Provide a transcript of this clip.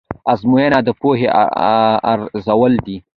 ازموینه د پوهې ارزول دي.